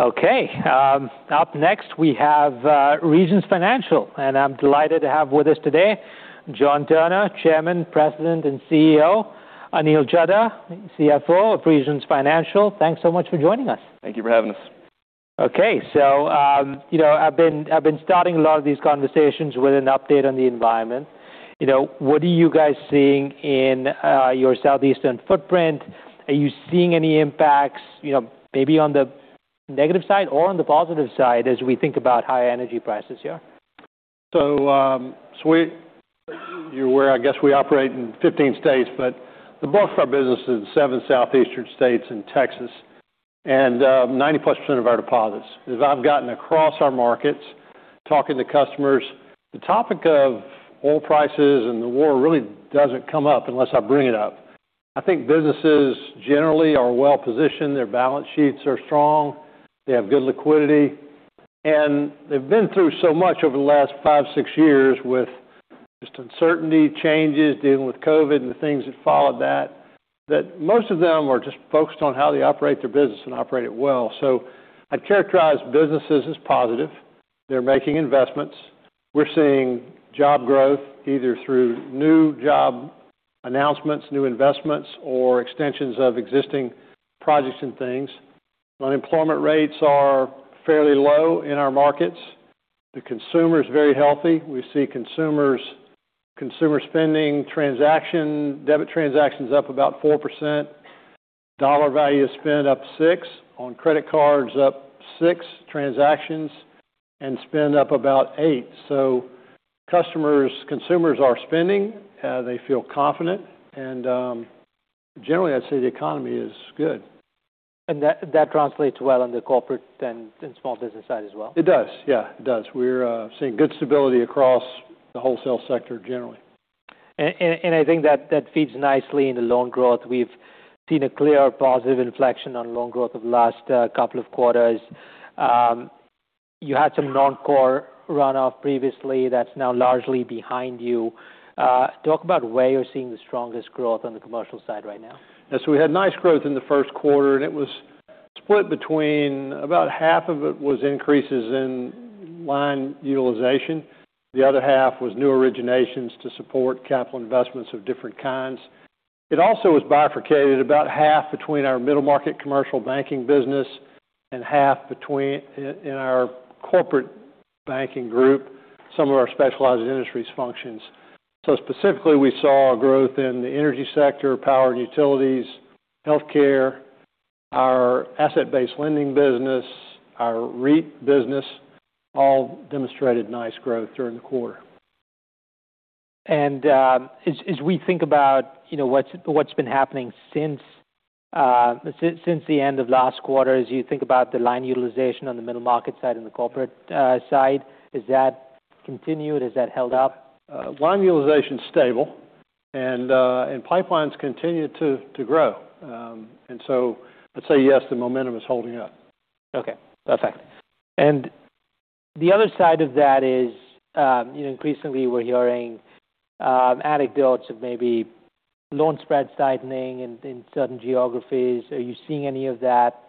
Okay. Up next we have Regions Financial, and I'm delighted to have with us today John Turner, Chairman, President, and CEO. Anil Chadha, CFO of Regions Financial. Thanks so much for joining us. Thank you for having us. Okay. I've been starting a lot of these conversations with an update on the environment. What are you guys seeing in your Southeastern footprint? Are you seeing any impacts maybe on the negative side or on the positive side as we think about high energy prices here? You're aware, I guess we operate in 15 states, but the bulk of our business is seven Southeastern states and Texas, and 90% plus of our deposits. As I've gotten across our markets talking to customers, the topic of oil prices and the war really doesn't come up unless I bring it up. I think businesses generally are well-positioned. Their balance sheets are strong. They have good liquidity, and they've been through so much over the last five, six years with just uncertainty, changes, dealing with COVID and the things that followed that most of them are just focused on how they operate their business and operate it well. I'd characterize businesses as positive. They're making investments. We're seeing job growth either through new job announcements, new investments, or extensions of existing projects and things. Unemployment rates are fairly low in our markets. The consumer is very healthy. We see consumer spending debit transactions up about 4%, dollar value spend up 6% on credit cards, up 6% transactions, and spend up about 8%. Consumers are spending, they feel confident, and generally, I'd say the economy is good. That translates well in the corporate and in small business side as well. It does. Yeah. We're seeing good stability across the wholesale sector generally. I think that feeds nicely into loan growth. We've seen a clear positive inflection on loan growth over the last couple of quarters. You had some non-core runoff previously that's now largely behind you. Talk about where you're seeing the strongest growth on the commercial side right now. Yeah. We had nice growth in the first quarter, it was split between about half of it was increases in line utilization. The other half was new originations to support capital investments of different kinds. It also was bifurcated about half between our middle market commercial banking business and half in our corporate banking group, some of our specialized industries functions. Specifically, we saw growth in the energy sector, power and utilities, healthcare, our asset-based lending business, our REIT business all demonstrated nice growth during the quarter. As we think about what's been happening since the end of last quarter, as you think about the line utilization on the middle market side and the corporate side, has that continued? Has that held up? Line utilization's stable, pipelines continue to grow. I'd say yes, the momentum is holding up. Okay. Perfect. The other side of that is, increasingly we're hearing anecdotes of maybe loan spreads tightening in certain geographies. Are you seeing any of that?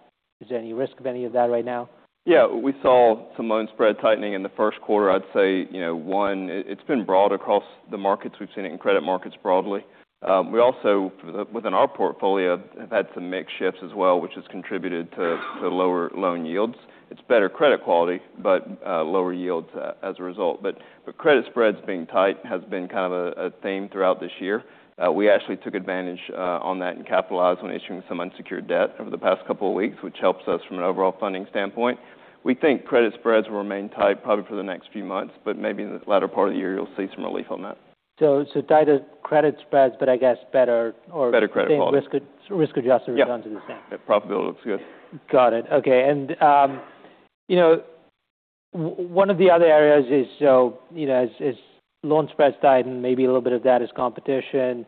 Is there any risk of any of that right now? Yeah. We saw some loan spread tightening in the first quarter. I'd say, one, it's been broad across the markets. We've seen it in credit markets broadly. We also, within our portfolio, have had some mix shifts as well, which has contributed to lower loan yields. It's better credit quality, but lower yields as a result. Credit spreads being tight has been kind of a theme throughout this year. We actually took advantage of that and capitalized on issuing some unsecured debt over the past couple of weeks, which helps us from an overall funding standpoint. We think credit spreads will remain tight probably for the next few months, but maybe in the latter part of the year you'll see some relief on that. Tighter credit spreads, but I guess better- Better credit quality ...risk adjustment to this now. Yeah. Profitability looks good. Got it. Okay. One of the other areas is loan spreads tighten, maybe a little bit of that is competition.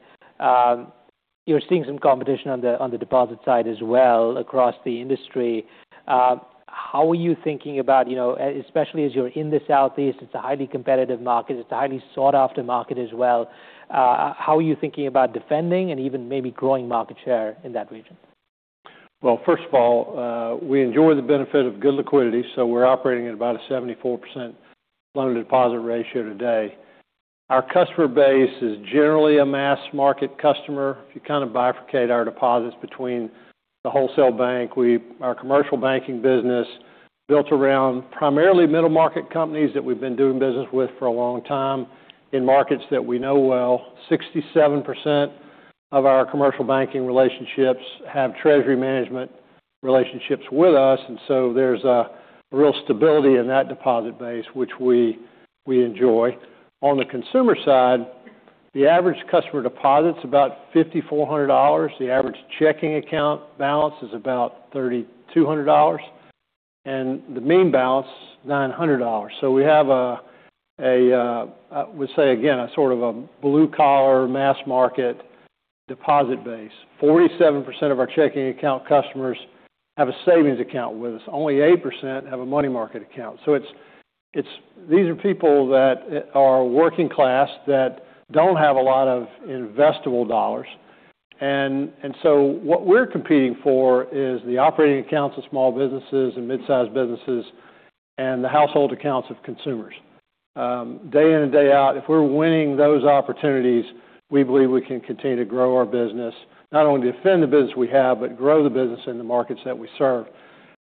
You're seeing some competition on the deposit side as well across the industry. How are you thinking about, especially as you're in the Southeast, it's a highly competitive market, it's a highly sought-after market as well. How are you thinking about defending and even maybe growing market share in that region? First of all, we enjoy the benefit of good liquidity, so we're operating at about a 74% loan-to-deposit ratio today. Our customer base is generally a mass market customer. If you kind of bifurcate our deposits between the wholesale bank, our commercial banking business built around primarily middle-market companies that we've been doing business with for a long time in markets that we know well. 67% of our commercial banking relationships have treasury management relationships with us, there's a real stability in that deposit base, which we enjoy. On the consumer side, the average customer deposit's about $5,400. The average checking account balance is about $3,200, and the mean balance, $900. We have, I would say again, a sort of a blue collar mass market deposit base. 47% of our checking account customers have a savings account with us. Only 8% have a money market account. These are people that are working class that don't have a lot of investable dollars. What we're competing for is the operating accounts of small businesses and mid-sized businesses, and the household accounts of consumers. Day in and day out, if we're winning those opportunities, we believe we can continue to grow our business, not only defend the business we have, but grow the business in the markets that we serve.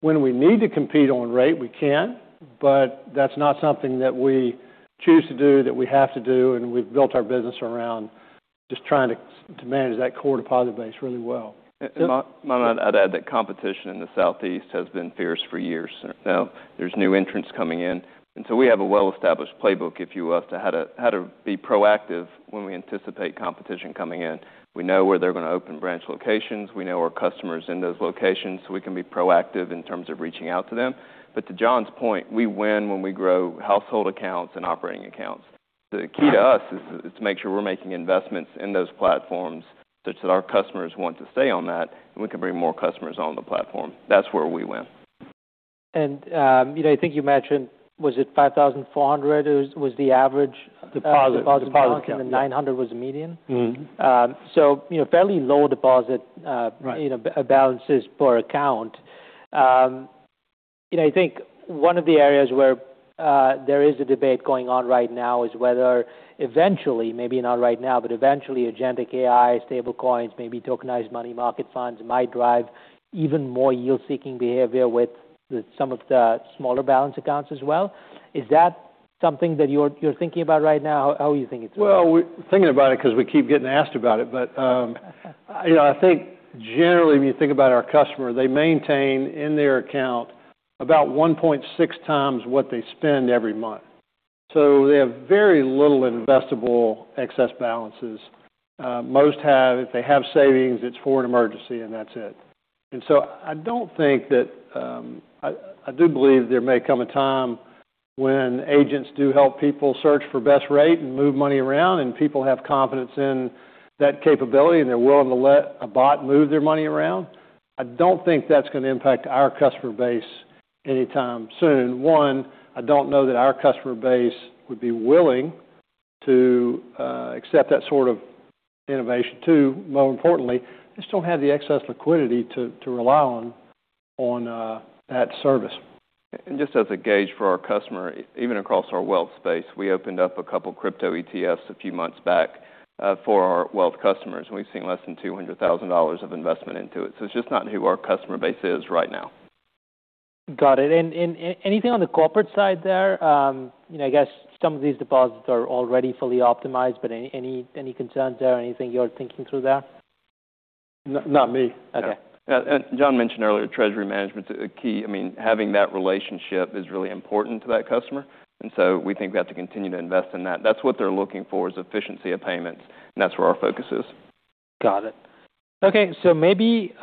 When we need to compete on rate, we can, that's not something that we choose to do, that we have to do, We've built our business around just trying to manage that core deposit base really well. Manan, I'd add that competition in the Southeast has been fierce for years now. There's new entrants coming in, we have a well-established playbook, if you will, as to how to be proactive when we anticipate competition coming in. We know where they're going to open branch locations. We know our customers in those locations, so we can be proactive in terms of reaching out to them. To John's point, we win when we grow household accounts and operating accounts. The key to us is to make sure we're making investments in those platforms such that our customers want to stay on that, we can bring more customers on the platform. That's where we win. I think you mentioned, was it 5,400 was the average- Deposit count. Yeah deposit account, 900 was the median? Fairly low deposit- Right balances per account. I think one of the areas where there is a debate going on right now is whether eventually, maybe not right now, but eventually agentic AI, stablecoins, maybe tokenized money market funds might drive even more yield-seeking behavior with some of the smaller balance accounts as well. Is that something that you're thinking about right now? How are you thinking through that? Well, we're thinking about it because we keep getting asked about it. I think generally, when you think about our customer, they maintain in their account about 1.6 times what they spend every month. They have very little investable excess balances. Most have, if they have savings, it's for an emergency, and that's it. I do believe there may come a time when agents do help people search for best rate and move money around, and people have confidence in that capability, and they're willing to let a bot move their money around. I don't think that's going to impact our customer base anytime soon. One, I don't know that our customer base would be willing to accept that sort of innovation. Two, more importantly, they just don't have the excess liquidity to rely on that service. Just as a gauge for our customer, even across our wealth space, we opened up a couple crypto ETFs a few months back for our wealth customers, and we've seen less than $200,000 of investment into it. It's just not who our customer base is right now. Got it. Anything on the corporate side there? I guess some of these deposits are already fully optimized, but any concerns there? Anything you're thinking through there? Not me. Okay. Yeah. John mentioned earlier, treasury management's a key. Having that relationship is really important to that customer, and so we think we have to continue to invest in that. That's what they're looking for is efficiency of payments, and that's where our focus is. Got it. Okay, maybe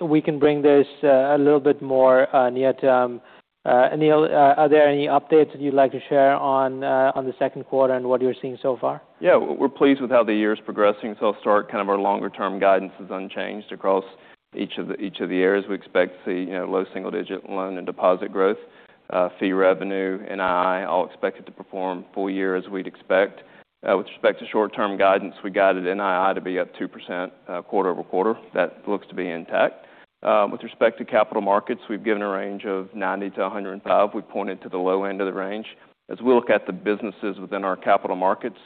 we can bring this a little bit more near term. Anil, are there any updates that you'd like to share on the second quarter and what you're seeing so far? Yeah. We're pleased with how the year's progressing. I'll start, kind of our longer term guidance is unchanged across each of the areas. We expect to see low single-digit loan and deposit growth. Fee revenue, NII, all expected to perform full year as we'd expect. With respect to short-term guidance, we guided NII to be up 2% quarter-over-quarter. That looks to be intact. With respect to capital markets, we've given a range of 90-105. We pointed to the low end of the range. As we look at the businesses within our capital markets,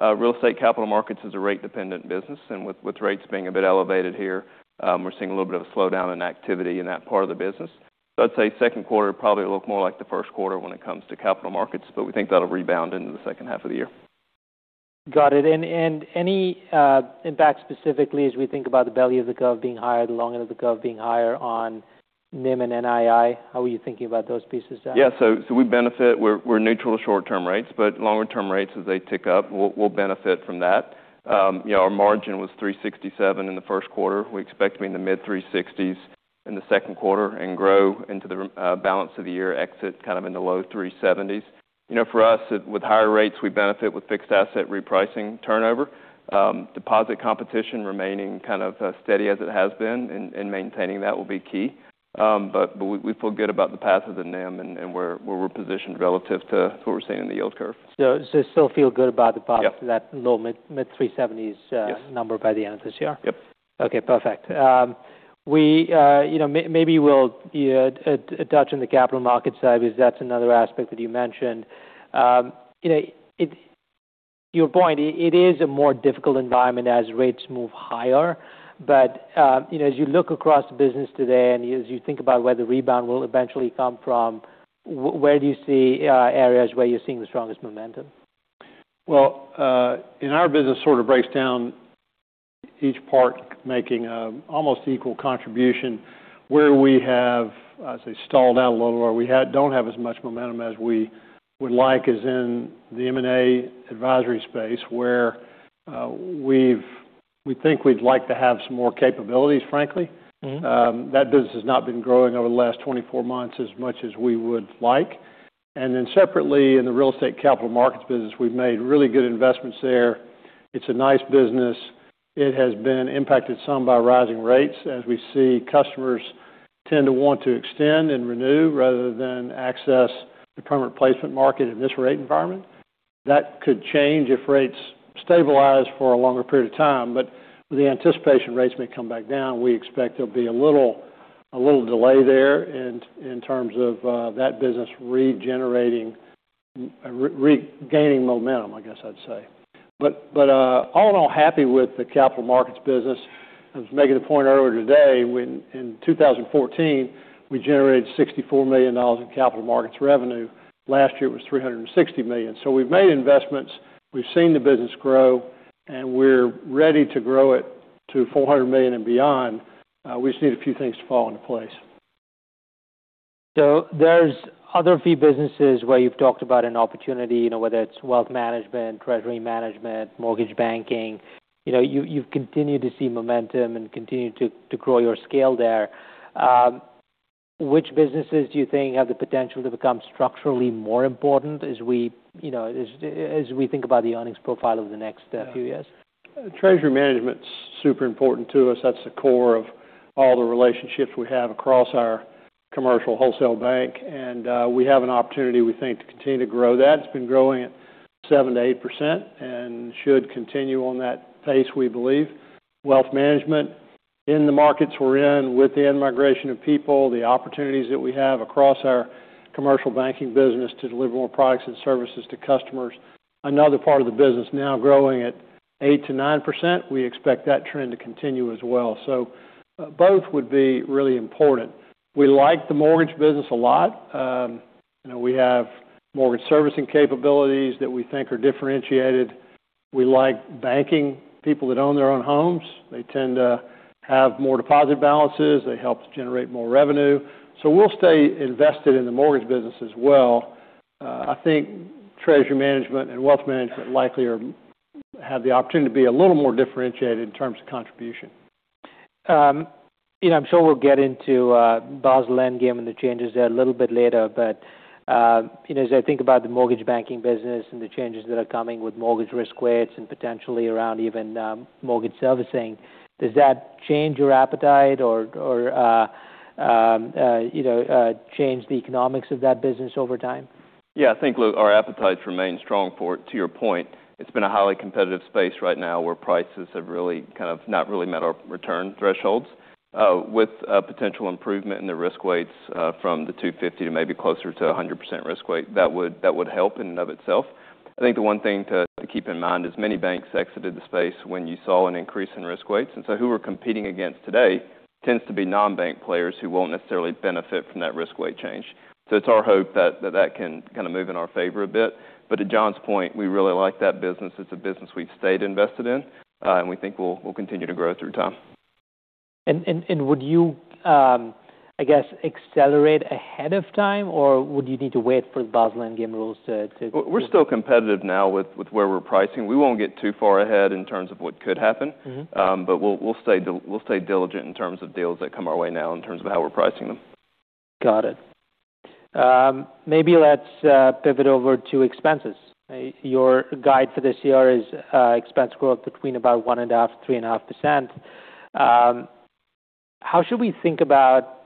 real estate capital markets is a rate-dependent business, and with rates being a bit elevated here, we're seeing a little bit of a slowdown in activity in that part of the business. I'd say second quarter will probably look more like the first quarter when it comes to capital markets. We think that'll rebound into the second half of the year. Got it. Any impact specifically as we think about the belly of the curve being higher, the long end of the curve being higher on NIM and NII? How are you thinking about those pieces? Yeah. We're neutral to short-term rates. Longer-term rates, as they tick up, we'll benefit from that. Our margin was 367 in the first quarter. We expect to be in the mid-360s in the second quarter and grow into the balance of the year, exit kind of in the low 370s. For us, with higher rates, we benefit with fixed asset repricing turnover. Deposit competition remaining kind of steady as it has been, and maintaining that will be key. We feel good about the path of the NIM and where we're positioned relative to what we're seeing in the yield curve. You still feel good about the path Yeah to that low mid 370s Yes number by the end of this year? Yep. Okay, perfect. Maybe we'll touch on the real estate capital markets side because that's another aspect that you mentioned. Your point, it is a more difficult environment as rates move higher. As you look across the business today, and as you think about where the rebound will eventually come from, where do you see areas where you're seeing the strongest momentum? Our business sort of breaks down each part making an almost equal contribution. Where we have, I'd say, stalled out a little, or we don't have as much momentum as we would like is in the M&A advisory space, where we think we'd like to have some more capabilities, frankly. That business has not been growing over the last 24 months as much as we would like. Separately, in the real estate capital markets business, we've made really good investments there. It's a nice business. It has been impacted some by rising rates as we see customers tend to want to extend and renew rather than access the permanent placement market in this rate environment. That could change if rates stabilize for a longer period of time. The anticipation rates may come back down. We expect there'll be a little delay there in terms of that business regaining momentum, I guess I'd say. All in all, happy with the capital markets business. I was making a point earlier today, in 2014, we generated $64 million in capital markets revenue. Last year it was $360 million. We've made investments, we've seen the business grow, and we're ready to grow it to $400 million and beyond. We just need a few things to fall into place. There's other fee businesses where you've talked about an opportunity, whether it's wealth management, treasury management, mortgage banking. You've continued to see momentum and continue to grow your scale there. Which businesses do you think have the potential to become structurally more important as we think about the earnings profile over the next few years? Treasury management's super important to us. That's the core of all the relationships we have across our commercial wholesale bank, and we have an opportunity, we think, to continue to grow that. It's been growing at 7%-8% and should continue on that pace, we believe. Wealth management in the markets we're in with the in-migration of people, the opportunities that we have across our commercial banking business to deliver more products and services to customers. Another part of the business now growing at 8%-9%, we expect that trend to continue as well. Both would be really important. We like the mortgage business a lot. We have mortgage servicing capabilities that we think are differentiated. We like banking. People that own their own homes, they tend to have more deposit balances. They help to generate more revenue. We'll stay invested in the mortgage business as well. I think Treasury management and wealth management likely have the opportunity to be a little more differentiated in terms of contribution. I'm sure we'll get into Basel Endgame and the changes there a little bit later. As I think about the mortgage banking business and the changes that are coming with mortgage risk weights and potentially around even mortgage servicing, does that change your appetite or change the economics of that business over time? Yeah. I think, Luke, our appetite remains strong for it. To your point, it's been a highly competitive space right now where prices have really not really met our return thresholds. With a potential improvement in the risk weights from the 250% to maybe closer to 100% risk weight, that would help in and of itself. I think the one thing to keep in mind is many banks exited the space when you saw an increase in risk weights. Who we're competing against today tends to be non-bank players who won't necessarily benefit from that risk weight change. It's our hope that that can move in our favor a bit. To John's point, we really like that business. It's a business we've stayed invested in, and we think we'll continue to grow through time. Would you accelerate ahead of time, or would you need to wait for the Basel III Endgame rules? We're still competitive now with where we're pricing. We won't get too far ahead in terms of what could happen. We'll stay diligent in terms of deals that come our way now in terms of how we're pricing them. Got it. Maybe let's pivot over to expenses. Your guide for this year is expense growth between about 1.5%-3.5%. How should we think about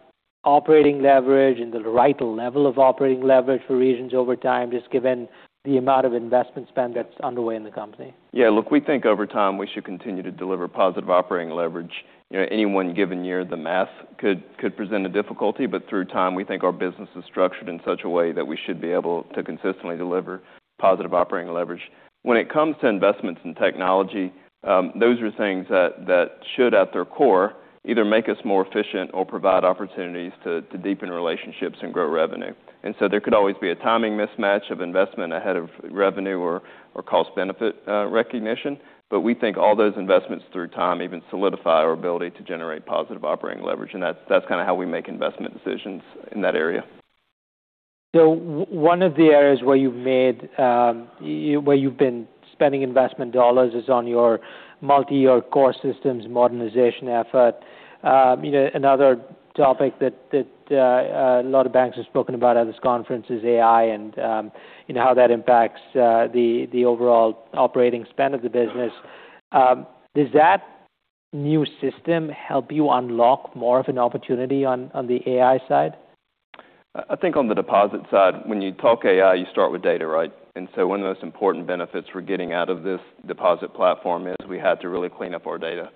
operating leverage and the right level of operating leverage for Regions over time, just given the amount of investment spend that's underway in the company? Yeah. Look, we think over time we should continue to deliver positive operating leverage. Any one given year, the math could present a difficulty, but through time, we think our business is structured in such a way that we should be able to consistently deliver positive operating leverage. When it comes to investments in technology, those are things that should, at their core, either make us more efficient or provide opportunities to deepen relationships and grow revenue. So there could always be a timing mismatch of investment ahead of revenue or cost benefit recognition. We think all those investments through time even solidify our ability to generate positive operating leverage, and that's how we make investment decisions in that area. One of the areas where you've been spending investment dollars is on your multi-year core systems modernization effort. Another topic that a lot of banks have spoken about at this conference is AI and how that impacts the overall operating spend of the business. Does that new system help you unlock more of an opportunity on the AI side? I think on the deposit side, when you talk AI, you start with data, right? So one of the most important benefits we're getting out of this deposit platform is we had to really clean up our data.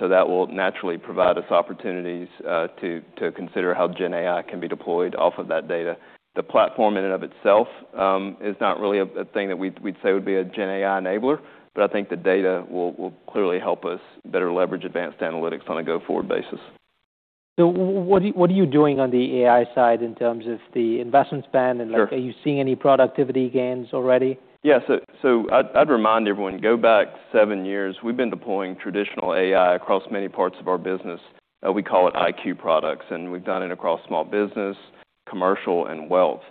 So that will naturally provide us opportunities to consider how GenAI can be deployed off of that data. The platform in and of itself is not really a thing that we'd say would be a GenAI enabler, but I think the data will clearly help us better leverage advanced analytics on a go-forward basis. What are you doing on the AI side in terms of the investment spend. Sure are you seeing any productivity gains already? Yeah. I'd remind everyone, go back seven years, we've been deploying traditional AI across many parts of our business. We call it IQ products, and we've done it across small business, commercial, and wealth.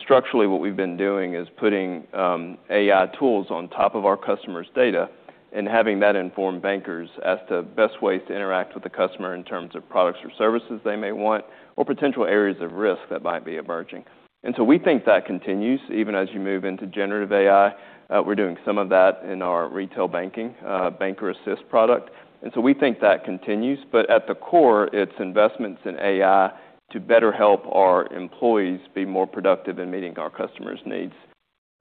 Structurally, what we've been doing is putting AI tools on top of our customers' data and having that inform bankers as to best ways to interact with the customer in terms of products or services they may want or potential areas of risk that might be emerging. We think that continues even as you move into generative AI. We're doing some of that in our retail banking banker assist product. We think that continues. At the core, it's investments in AI to better help our employees be more productive in meeting our customers' needs.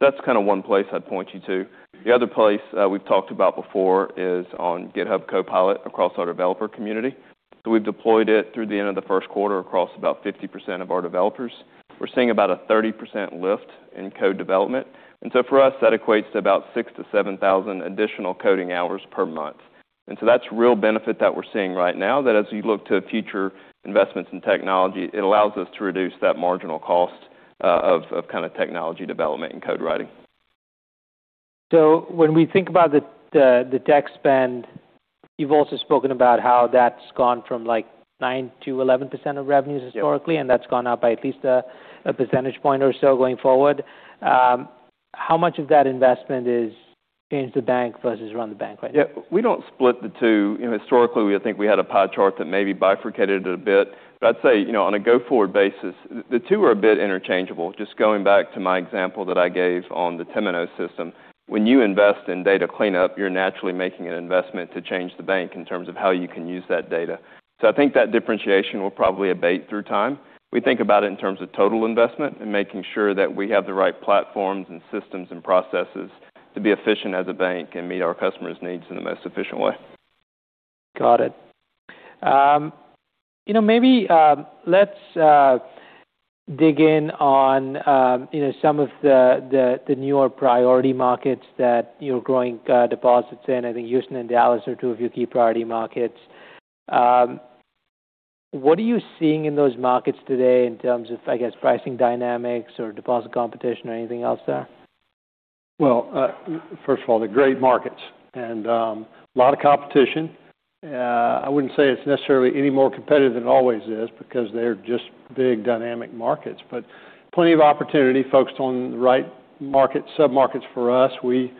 That's kind of one place I'd point you to. The other place we've talked about before is on GitHub Copilot across our developer community. We've deployed it through the end of the first quarter across about 50% of our developers. We're seeing about a 30% lift in code development. For us, that equates to about 6,000-7,000 additional coding hours per month. That's real benefit that we're seeing right now, that as we look to future investments in technology, it allows us to reduce that marginal cost of technology development and code writing. When we think about the tech spend, you've also spoken about how that's gone from like 9%-11% of revenues historically. Yeah That's gone up by at least a percentage point or so going forward. How much of that investment is change the bank versus run the bank right now? Yeah. We don't split the two. Historically, I think we had a pie chart that maybe bifurcated it a bit. I'd say, on a go-forward basis, the two are a bit interchangeable. Just going back to my example that I gave on the Temenos system, when you invest in data cleanup, you're naturally making an investment to change the bank in terms of how you can use that data. I think that differentiation will probably abate through time. We think about it in terms of total investment and making sure that we have the right platforms and systems and processes to be efficient as a bank and meet our customers' needs in the most efficient way. Got it. Maybe let's dig in on some of the newer priority markets that you're growing deposits in. I think Houston and Dallas are two of your key priority markets. What are you seeing in those markets today in terms of, I guess, pricing dynamics or deposit competition or anything else there? Well, first of all, they're great markets. A lot of competition. I wouldn't say it's necessarily any more competitive than it always is because they're just big dynamic markets, but plenty of opportunity focused on the right sub-markets for us. We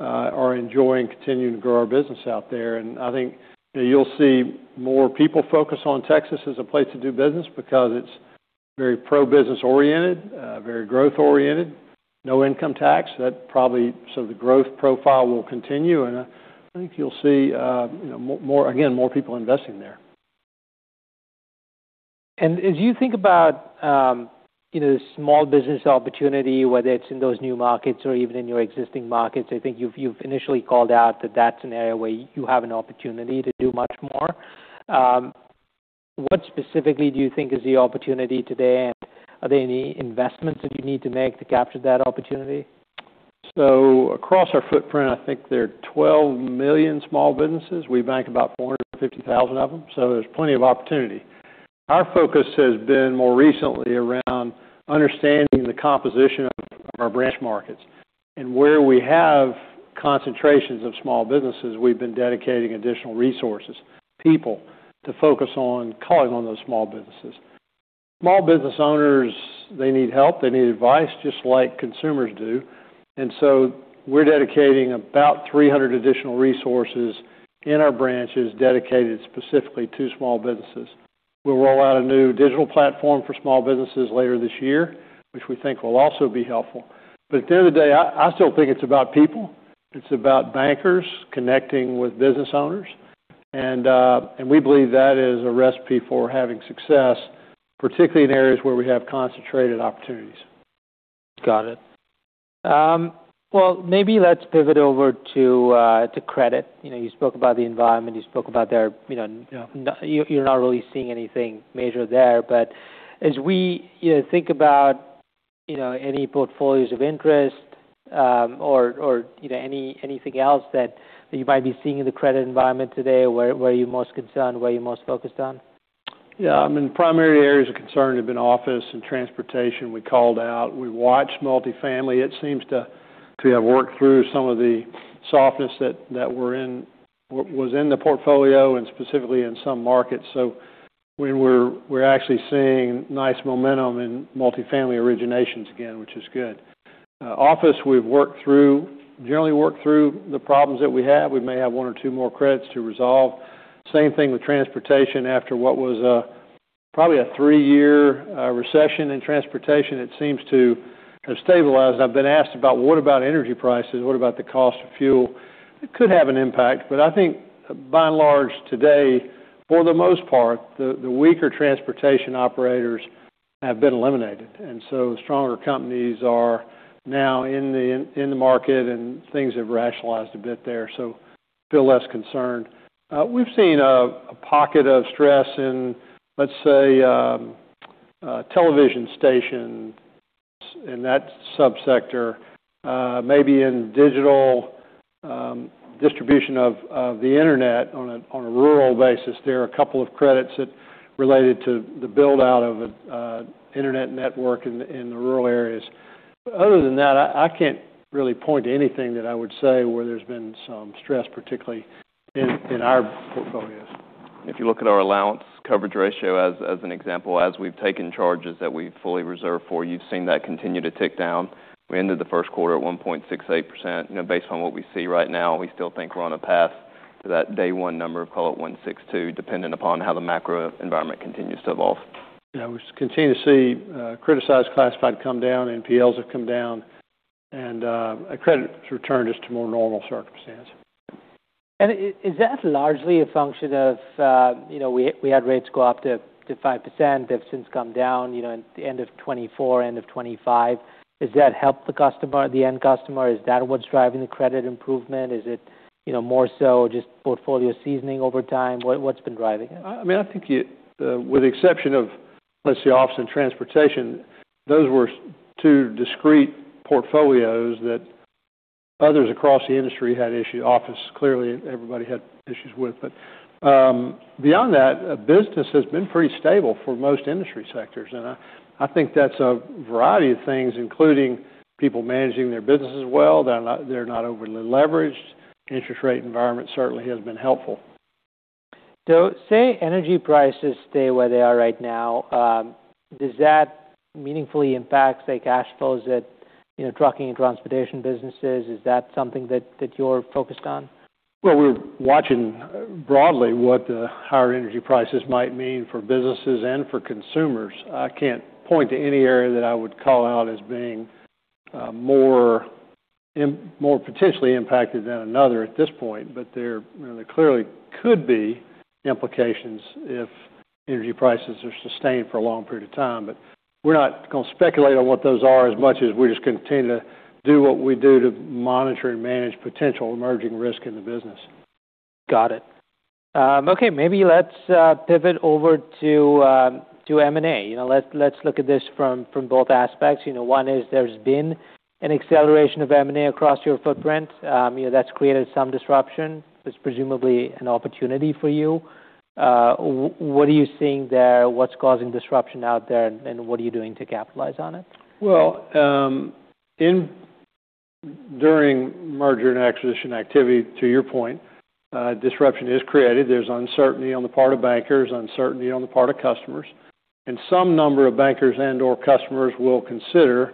are enjoying continuing to grow our business out there. I think you'll see more people focus on Texas as a place to do business because it's very pro-business oriented, very growth oriented, no income tax. The growth profile will continue, and I think you'll see, again, more people investing there. As you think about small business opportunity, whether it's in those new markets or even in your existing markets, I think you've initially called out that that's an area where you have an opportunity to do much more. What specifically do you think is the opportunity today, and are there any investments that you need to make to capture that opportunity? Across our footprint, I think there are 12 million small businesses. We bank about 450,000 of them. There's plenty of opportunity. Our focus has been more recently around understanding the composition of our branch markets. Where we have concentrations of small businesses, we've been dedicating additional resources, people, to focus on calling on those small businesses. Small business owners, they need help, they need advice just like consumers do. We're dedicating about 300 additional resources in our branches dedicated specifically to small businesses. We'll roll out a new digital platform for small businesses later this year, which we think will also be helpful. At the end of the day, I still think it's about people. It's about bankers connecting with business owners. We believe that is a recipe for having success, particularly in areas where we have concentrated opportunities. Got it. Well, maybe let's pivot over to credit. You spoke about the environment, you spoke about you're not really seeing anything major there. As we think about any portfolios of interest, or anything else that you might be seeing in the credit environment today, where are you most concerned? Where are you most focused on? Yeah, I mean, the primary areas of concern have been office and transportation we called out. We watched multifamily. It seems to have worked through some of the softness that was in the portfolio and specifically in some markets. We're actually seeing nice momentum in multifamily originations again, which is good. Office, we've generally worked through the problems that we have. We may have one or two more credits to resolve. Same thing with transportation after what was probably a three-year recession in transportation. It seems to have stabilized. I've been asked about, what about energy prices? What about the cost of fuel? It could have an impact, but I think by and large today, for the most part, the weaker transportation operators have been eliminated. Stronger companies are now in the market and things have rationalized a bit there. Feel less concerned. We've seen a pocket of stress in, let's say, television stations in that subsector. Maybe in digital distribution of the internet on a rural basis. There are a couple of credits that related to the build-out of an internet network in the rural areas. Other than that, I can't really point to anything that I would say where there's been some stress, particularly in our portfolios. If you look at our allowance coverage ratio as an example, as we've taken charges that we've fully reserved for, you've seen that continue to tick down. We ended the first quarter at 1.68%. Based on what we see right now, we still think we're on a path to that day one number, call it 162, dependent upon how the macro environment continues to evolve. Yeah, we continue to see criticized classified come down, NPLs have come down, credit has returned just to more normal circumstance. Is that largely a function of we had rates go up to 5%, they've since come down at the end of 2024, end of 2025. Does that help the end customer? Is that what's driving the credit improvement? Is it more so just portfolio seasoning over time? What's been driving it? I think with the exception of, let's say, office and transportation, those were two discrete portfolios that others across the industry had issue. Office, clearly everybody had issues with, beyond that, business has been pretty stable for most industry sectors. I think that's a variety of things, including people managing their businesses well. They're not overly leveraged. Interest rate environment certainly has been helpful. Say energy prices stay where they are right now. Does that meaningfully impact cash flows that trucking and transportation businesses? Is that something that you're focused on? We're watching broadly what the higher energy prices might mean for businesses and for consumers. I can't point to any area that I would call out as being more potentially impacted than another at this point. There clearly could be implications if energy prices are sustained for a long period of time. We're not going to speculate on what those are as much as we just continue to do what we do to monitor and manage potential emerging risk in the business. Got it. Maybe let's pivot over to M&A. Let's look at this from both aspects. One is there's been an acceleration of M&A across your footprint. That's created some disruption. That's presumably an opportunity for you. What are you seeing there? What's causing disruption out there, and what are you doing to capitalize on it? Well, during merger and acquisition activity, to your point, disruption is created. There's uncertainty on the part of bankers, uncertainty on the part of customers. Some number of bankers and/or customers will consider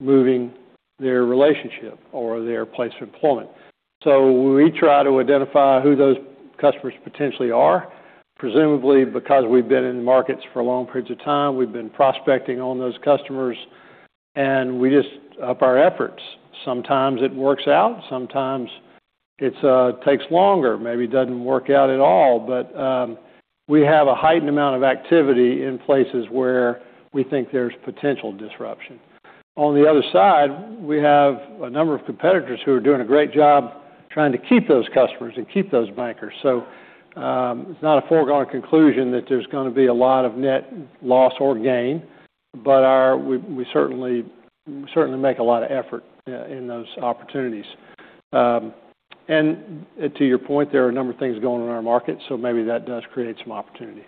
moving their relationship or their place of employment. We try to identify who those customers potentially are. Presumably because we've been in the markets for long periods of time, we've been prospecting on those customers, and we just up our efforts. Sometimes it works out, sometimes it takes longer, maybe doesn't work out at all. We have a heightened amount of activity in places where we think there's potential disruption. On the other side, we have a number of competitors who are doing a great job trying to keep those customers and keep those bankers. It's not a foregone conclusion that there's going to be a lot of net loss or gain, but we certainly make a lot of effort in those opportunities. To your point, there are a number of things going on in our market, so maybe that does create some opportunity.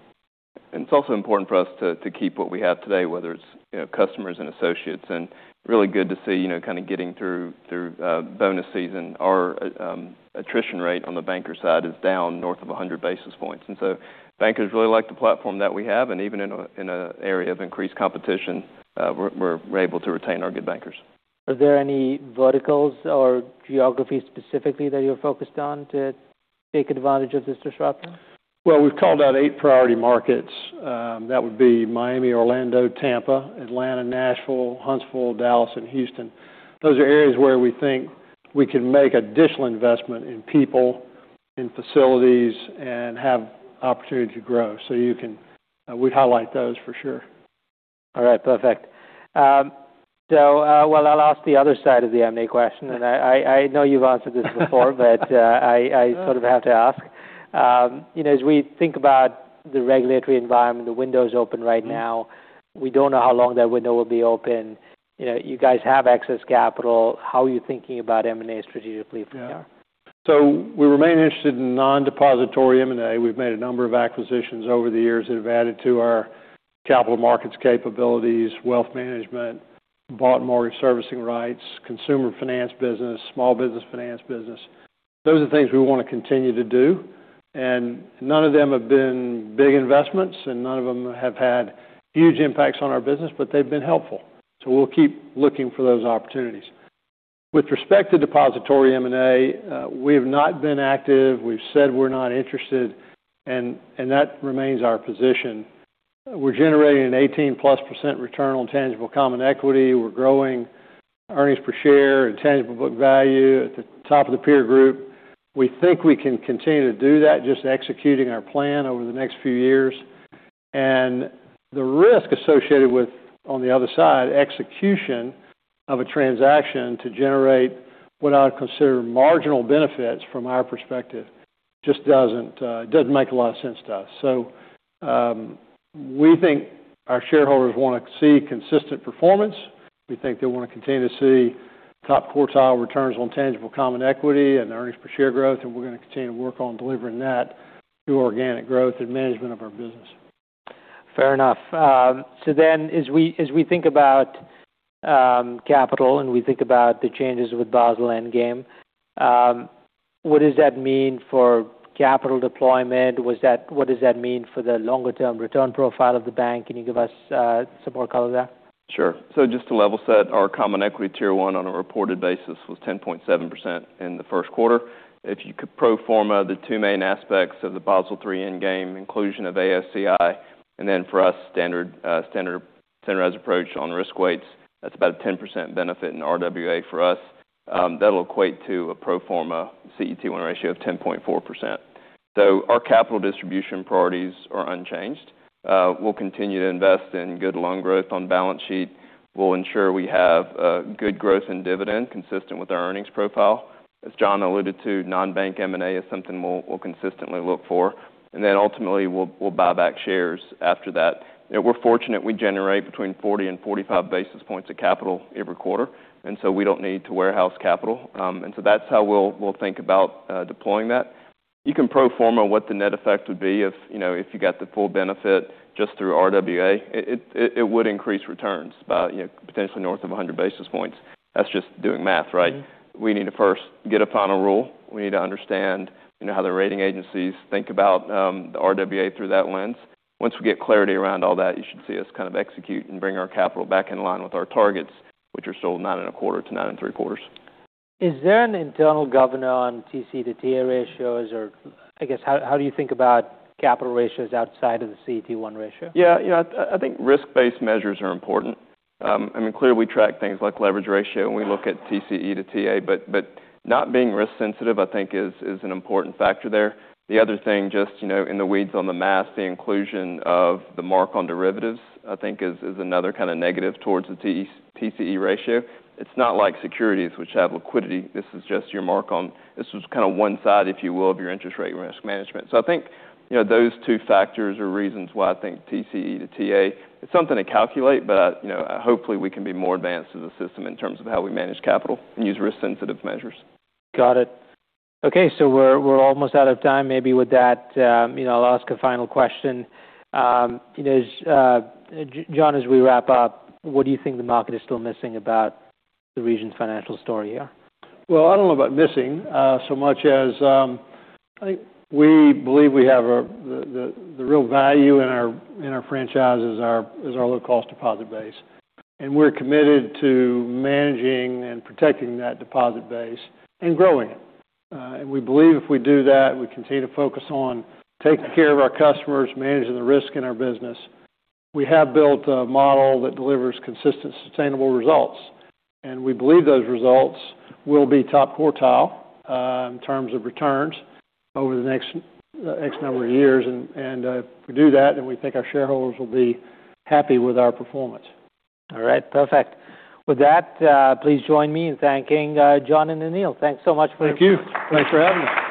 It's also important for us to keep what we have today, whether it's customers and associates, and really good to see kind of getting through bonus season. Our attrition rate on the banker side is down north of 100 basis points. Bankers really like the platform that we have, and even in an area of increased competition, we're able to retain our good bankers. Are there any verticals or geographies specifically that you're focused on to take advantage of this disruption? We've called out eight priority markets. That would be Miami, Orlando, Tampa, Atlanta, Nashville, Huntsville, Dallas, and Houston. Those are areas where we think we can make additional investment in people, in facilities, and have opportunity to grow. We'd highlight those for sure. All right, perfect. I'll ask the other side of the M&A question, and I know you've answered this before, but I sort of have to ask. As we think about the regulatory environment, the window's open right now. We don't know how long that window will be open. You guys have excess capital. How are you thinking about M&A strategically from here? We remain interested in non-depository M&A. We've made a number of acquisitions over the years that have added to our capital markets capabilities, wealth management, bought mortgage servicing rights, consumer finance business, small business finance business. Those are the things we want to continue to do, and none of them have been big investments, and none of them have had huge impacts on our business, but they've been helpful. We'll keep looking for those opportunities. With respect to depository M&A, we have not been active. We've said we're not interested, and that remains our position. We're generating an 18-plus % return on tangible common equity. We're growing earnings per share and tangible book value at the top of the peer group. We think we can continue to do that, just executing our plan over the next few years. The risk associated with, on the other side, execution of a transaction to generate what I would consider marginal benefits from our perspective just doesn't make a lot of sense to us. We think our shareholders want to see consistent performance. We think they want to continue to see top quartile returns on tangible common equity and earnings per share growth, and we're going to continue to work on delivering that through organic growth and management of our business. Fair enough. As we think about capital and we think about the changes with Basel III Endgame, what does that mean for capital deployment? What does that mean for the longer-term return profile of the bank? Can you give us some more color there? Sure. Just to level set, our Common Equity Tier 1 on a reported basis was 10.7% in the first quarter. If you could pro forma the two main aspects of the Basel III Endgame, inclusion of AOCI, and then for us, standardized approach on risk weights, that's about a 10% benefit in RWA for us. That'll equate to a pro forma CET1 ratio of 10.4%. So our capital distribution priorities are unchanged. We'll continue to invest in good loan growth on balance sheet. We'll ensure we have good growth and dividend consistent with our earnings profile. As John alluded to, non-bank M&A is something we'll consistently look for, and then ultimately, we'll buy back shares after that. We're fortunate we generate between 40 and 45 basis points of capital every quarter, we don't need to warehouse capital. That's how we'll think about deploying that. You can pro forma what the net effect would be if you got the full benefit just through RWA. It would increase returns by potentially north of 100 basis points. That's just doing math, right? We need to first get a final rule. We need to understand how the rating agencies think about the RWA through that lens. Once we get clarity around all that, you should see us kind of execute and bring our capital back in line with our targets, which are still nine and a quarter to nine and three-quarters. Is there an internal governor on TCE to TA ratios? Or I guess, how do you think about capital ratios outside of the CET1 ratio? Yeah. I think risk-based measures are important. Clearly, we track things like leverage ratio, and we look at TCE to TA. Not being risk-sensitive, I think, is an important factor there. The other thing, just in the weeds on the math, the inclusion of the mark on derivatives, I think, is another kind of negative towards the TCE ratio. It's not like securities which have liquidity. This is just your mark on. This was kind of one side, if you will, of your interest rate risk management. I think those two factors are reasons why I think TCE to TA. It's something to calculate, but hopefully, we can be more advanced as a system in terms of how we manage capital and use risk-sensitive measures. Got it. We're almost out of time. Maybe with that, I'll ask a final question. John, as we wrap up, what do you think the market is still missing about the Regions Financial story here? I don't know about missing so much as I think we believe we have the real value in our franchises is our low-cost deposit base. We're committed to managing and protecting that deposit base and growing it. We believe if we do that, we continue to focus on taking care of our customers, managing the risk in our business. We have built a model that delivers consistent, sustainable results, and we believe those results will be top quartile in terms of returns over the next number of years. If we do that, then we think our shareholders will be happy with our performance. All right. Perfect. With that, please join me in thanking John and Anil. Thanks so much for your time. Thank you. Thanks for having us.